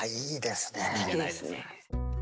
すてきですね。